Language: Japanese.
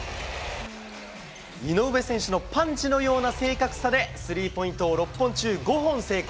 井上選手のパンチのような正確さで、スリーポイントを６本中５本成功。